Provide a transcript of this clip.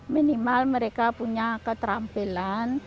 minimal mereka punya keterampilan